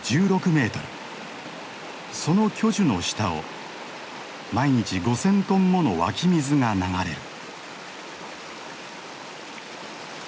その巨樹の下を毎日５，０００トンもの湧き水が流れる。